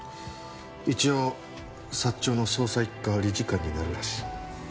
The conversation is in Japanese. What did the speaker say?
一応サッチョウの捜査一課理事官になるらしい。